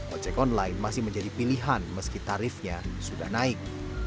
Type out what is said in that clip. ojek online masih menjadi pilihan meski tarifnya sudah naik